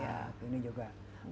ya pengaruh pengaruh anak anak